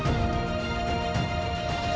teri migrant jibil